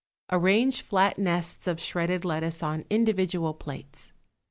2.= Arrange flat nests of shredded lettuce on individual plates.